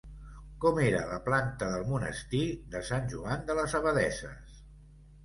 Com era la planta del monestir de Sant Joan de les Abadesses?